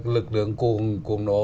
lực lượng cuồng nộ